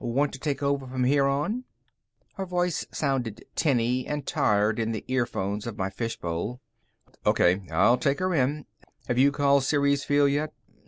"Want to take over from here on?" Her voice sounded tinny and tired in the earphones of my fishbowl. "O.K.; I'll take her in. Have you called Ceres Field yet?"